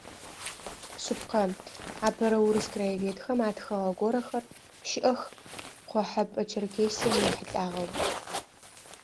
Шъыпкъэ, апэрэ урыс краеведхэм атхыгъэ горэхэр щыӏэх Къохьэпӏэ Черкесием ехьылӏагъэу.